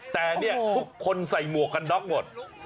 แต่เนี่ยทุกคนใส่หมวกกันน็อกหมด